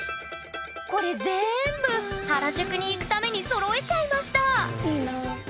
これぜんぶ原宿に行くためにそろえちゃいましたいいな。